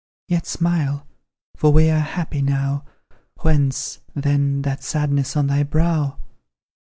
Yet smile for we are happy now. Whence, then, that sadness on thy brow?